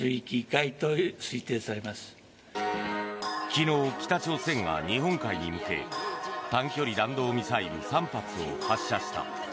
昨日、北朝鮮が日本海に向け短距離弾道ミサイル３発を発射した。